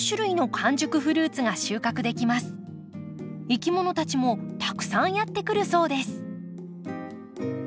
いきものたちもたくさんやって来るそうです。